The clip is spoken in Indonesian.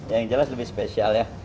yang jelas lebih spesial ya